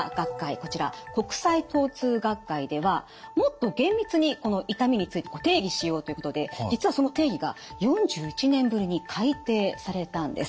こちら国際疼痛学会ではもっと厳密にこの痛みについて定義しようということで実はその定義が４１年ぶりに改定されたんです。